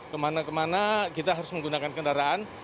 kemana kemana kita harus menggunakan kendaraan